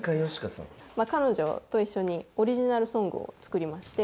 彼女と一緒にオリジナルソングを作りまして。